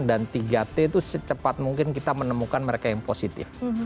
dan tiga t itu secepat mungkin kita menemukan mereka yang positif